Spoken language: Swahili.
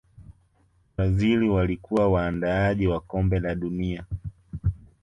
brazil walikuwa waandaaji wa kombe la dunia